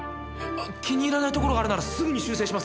気に入らないところがあるならすぐに修正します！